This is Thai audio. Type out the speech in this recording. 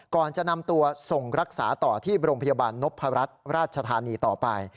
ก่อนจะนำตัวส่งรักษาต่อที่โรงพยาบาลนพรัชราชธานีต่อไป